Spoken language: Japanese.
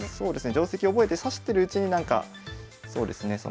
定跡覚えて指してるうちになんかそうですね